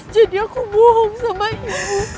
jadi aku bohong sama ibu